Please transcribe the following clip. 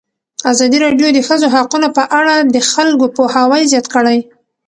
ازادي راډیو د د ښځو حقونه په اړه د خلکو پوهاوی زیات کړی.